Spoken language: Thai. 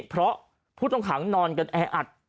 เพราะผู้ต้องขังนอนกันแออัด